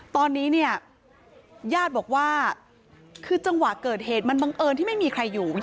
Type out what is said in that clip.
ตอนนี้เนี่ยญาติบอกว่าคือจังหวะเกิดเหตุมันบังเอิญที่ไม่มีใครอยู่